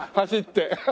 「走って」